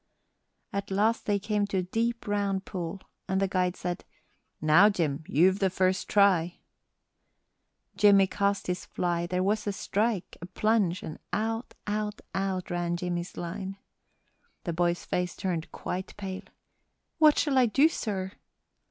At last they came to a deep, round pool, and the guide said, "Now, Jim, you've the first try." Jimmie cast his fly, there was a strike, a plunge, and out, out, out ran Jimmie's line. The boy's face turned quite pale. "What shall I do, sir?"